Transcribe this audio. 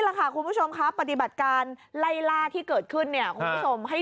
ล่ะค่ะคุณผู้ชมครับปฏิบัติการไล่ล่าที่เกิดขึ้นเนี่ยคุณผู้ชมให้